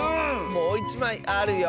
もういちまいあるよ！